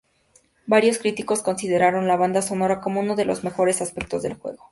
Varios críticos consideraron la banda sonora como uno de los mejores aspectos del juego.